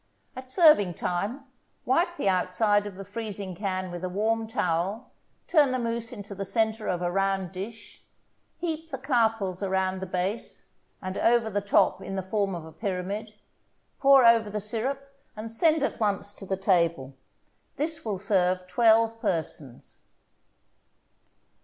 At serving time, wipe the outside of the freezing can with a warm towel, turn the mousse into the centre of a round dish, heap the carpels around the base and over the top in the form of a pyramid, pour over the syrup, and send at once to the table. This will serve twelve persons.